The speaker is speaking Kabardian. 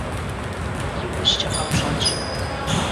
Иужькӏэ къэпщӏэнщ.